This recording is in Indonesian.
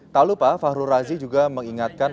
tak lupa fahrul razi juga mengingatkan